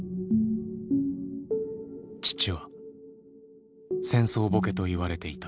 「父は戦争ボケと言われていた」。